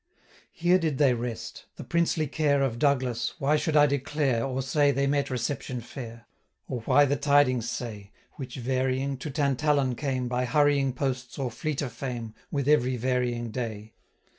Here did they rest. The princely care Of Douglas, why should I declare, Or say they met reception fair? 995 Or why the tidings say, Which, varying, to Tantallon came, By hurrying posts, or fleeter fame, With every varying day?